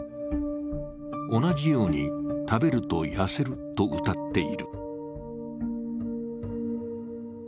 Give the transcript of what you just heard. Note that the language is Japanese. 同じように、食べると痩せるとうたっている。